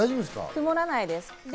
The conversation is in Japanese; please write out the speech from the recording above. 曇らないです。